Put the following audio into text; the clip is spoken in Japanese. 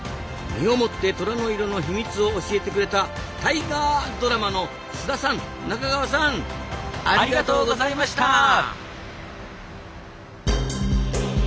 身をもってトラの色の秘密を教えてくれた「タイガー」ドラマの菅田さん中川さんありがとうございました！